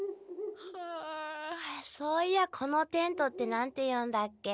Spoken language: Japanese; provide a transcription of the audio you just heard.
ふあそういやこのテントって何て言うんだっけ？